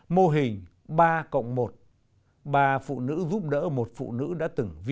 mô hình ba cộng một ba phụ nữ giúp đỡ một phụ nữ đã từng vi